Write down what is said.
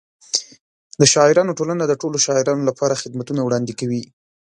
د شاعرانو ټولنه د ټولو شاعرانو لپاره خدمتونه وړاندې کوي.